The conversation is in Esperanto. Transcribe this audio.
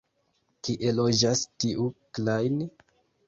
Kie loĝas tiu Klajn?